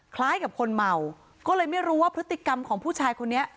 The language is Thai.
คล้ายกับคนเมาก็เลยไม่รู้ว่าพฤติกรรมของผู้ชายคนนี้